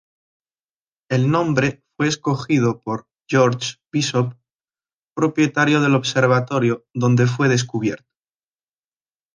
El nombre fue escogido por George Bishop, propietario del observatorio donde fue descubierto.